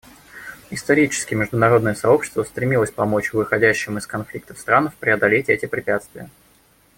Исторически международное сообщество стремилось помочь выходящим из конфликтов странам преодолеть эти препятствия.